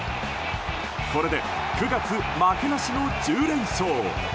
これで９月負けなしの１０連勝！